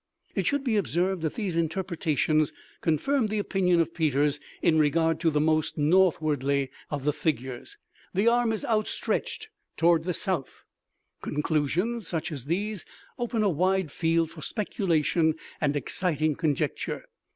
It should be observed that these interpretations confirm the opinion of Peters in regard to the "most northwardly" of the figures. The arm is outstretched toward the south. Conclusions such as these open a wide field for speculation and exciting conjecture.